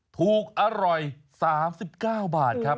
ถูกอร่อย๓๙บาทครับ